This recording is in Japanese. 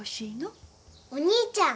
お兄ちゃん。